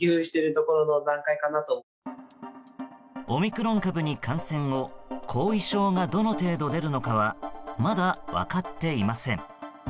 オミクロン株に感染後後遺症が、どの程度出るのかはまだ分かっていません。